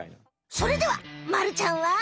それではまるちゃんは？